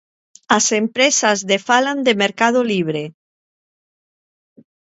As empresas de falan de mercado libre.